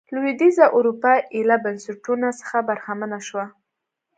لوېدیځه اروپا ایله بنسټونو څخه برخمنه شوه.